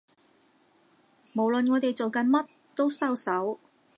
無論我哋做緊乜都收手